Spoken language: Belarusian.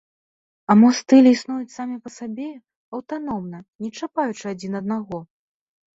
А мо стылі існуюць самі па сабе, аўтаномна, не чапаючы адзін аднаго?